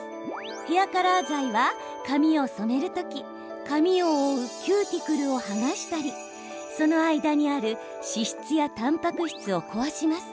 ヘアカラー剤は髪を染める時髪を覆うキューティクルを剥がしたり、その間にある脂質やたんぱく質を壊します。